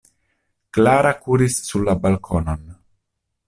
Klara kuris sur la balkonon.